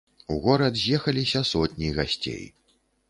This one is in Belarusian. У горад з'ехаліся сотні гасцей.